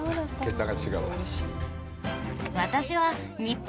「桁が違うわ」